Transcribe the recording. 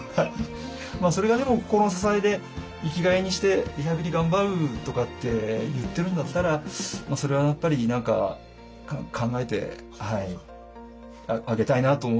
それがでも心の支えで生きがいにしてリハビリ頑張るとかって言ってるんだったらそれはやっぱり何か考えてあげたいなと思う。